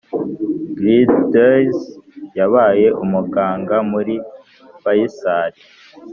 Gildas yabaye umuganga muri Faisal